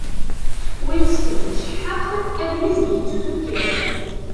Win teṭṭef tbucehhaqt, ad yezg yettusu kan.